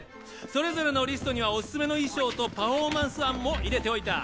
「それぞれのリストにはおすすめの衣装とパフォーマンス案も入れておいた」